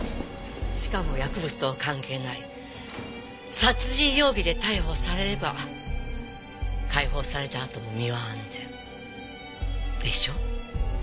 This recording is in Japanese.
しかも薬物とは関係ない殺人容疑で逮捕されれば解放されたあとも身は安全。でしょう？